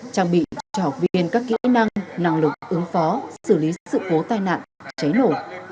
trang bị cho học viên các kỹ năng năng lực ứng phó xử lý sự cố tai nạn cháy nổ